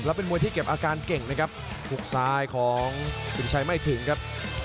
เป็นมวยที่เก็บอาการเก่งนะครับหุกซ้ายของสินชัยไม่ถึงครับ